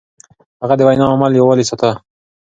هغه د وينا او عمل يووالی ساته.